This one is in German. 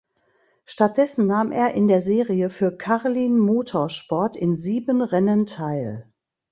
Stattdessen nahm er in der Serie für Carlin Motorsport in sieben Rennen teil.